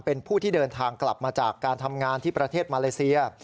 เป็นผู้ที่เดินทางกลับมาจากการทำงานที่ประเทศมาเลเซีย